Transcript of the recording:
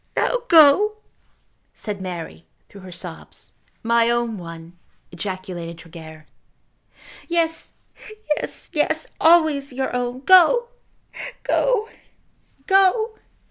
"Now go," said Mary, through her sobs. "My own one," ejaculated Tregear. "Yes, yes, yes; always your own. Go, go; go."